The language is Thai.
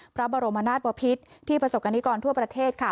พระบรมนาศบพิษที่ประสบกรณิกรทั่วประเทศค่ะ